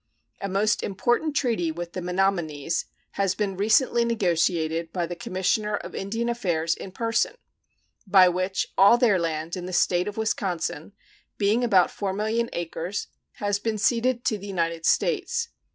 A most important treaty with the Menomonies has been recently negotiated by the Commissioner of Indian Affairs in person, by which all their land in the State of Wisconsin being about 4,000,000 acres has been ceded to the United States.